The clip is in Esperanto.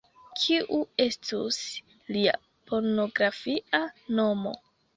Kiu estus lia pornografia nomo?